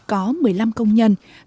có nhiều người còn rất là nhiều